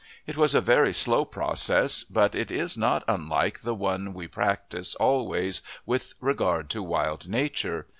It was a very slow process, but it is not unlike the one we practise always with regard to wild nature.